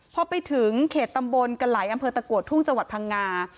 พอไปถึงเขตตำบลกะไหลอำเภอตะกัวทุ่งจังหวัดพังงา